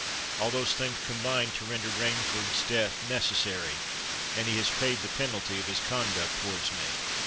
"All those things combined to render Rainford's death necessary—and he has paid the penalty of his conduct towards me."